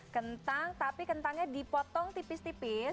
kentang tapi kentangnya dipotong tipis tipis